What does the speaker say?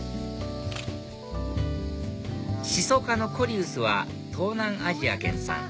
シソ科のコリウスは東南アジア原産